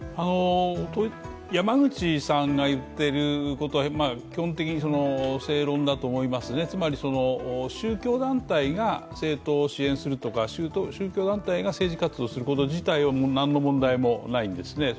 山口さんが言っていることは基本的には正論だと思いますね、つまり宗教団体が政党を支援するとか宗教団体が政治活動すること自体は何の問題もないんですね。